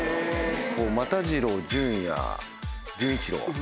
又次郎純也純一郎。